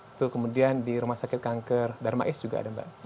itu kemudian di rumah sakit kanker darmais juga ada mbak